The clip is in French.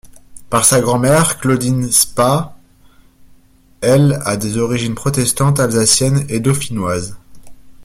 Par sa grand-mère Claudine Spahr, elle a des origines protestantes alsaciennes et dauphinoises.